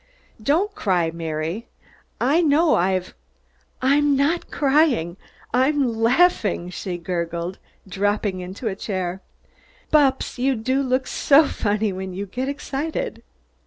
"Don't cry, Mary! I know I've " "I'm not crying, I I'm laughing," she gurgled, dropping into a chair. "Bupps, you do look so funny when you get excited."